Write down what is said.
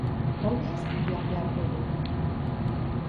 Oinez joan beharko du.